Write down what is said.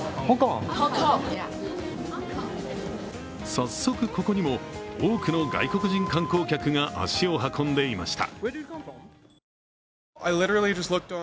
早速、ここにも多くの外国人観光客が足を運んでいました。